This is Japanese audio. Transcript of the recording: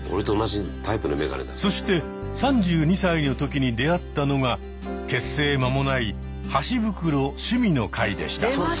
そして３２歳の時に出会ったのが結成間もない「箸袋趣味の会」でした。